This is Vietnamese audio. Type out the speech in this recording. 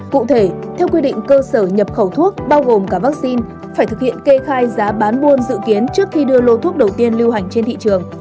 cụ thể theo quy định cơ sở nhập khẩu thuốc bao gồm cả vaccine phải thực hiện kê khai giá bán buôn dự kiến trước khi đưa lô thuốc đầu tiên lưu hành trên thị trường